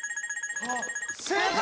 正解！